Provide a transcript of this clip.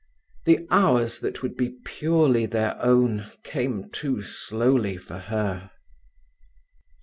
The hours that would be purely their own came too slowly for her.